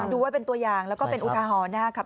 ดูไว้เป็นตัวอย่างแล้วก็เป็นอุทาหรณ์นะครับ